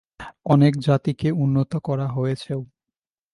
অনেক জাতিকে উন্নত করা হয়েছেও।